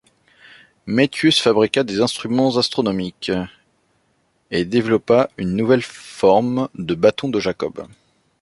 Metius fabriqua des instruments astronomiques et développa une nouvelle forme de bâton de Jacob.